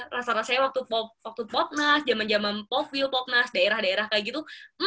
rasa rasanya waktu pop nast jaman jaman pop viel pop nast daerah daerah kayak gitu